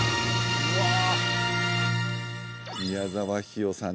宮沢氷魚さん